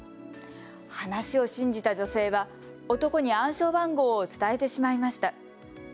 話を信じた女性は、男に暗証番号を伝えてしまいました。